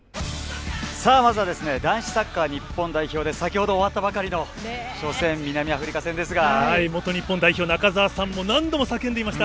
まずは男子サッカー日本代表で先ほど終わったばかりの初戦南アフリカ戦ですが元日本代表の中澤さんも何度も叫んでいました。